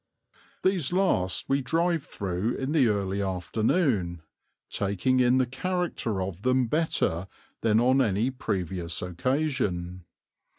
These last we drive through in the early afternoon, taking in the character of them better than on any previous occasion.